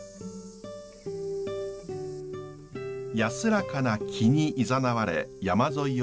安らかな気にいざなわれ山沿いを南へ。